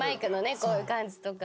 こういう感じとか。